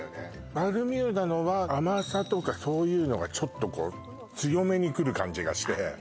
バルミューダのは、甘さとかそういうのがちょっと強めにくる感じがして。